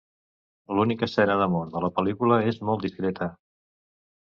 L'única escena d'amor de la pel·lícula és molt discreta.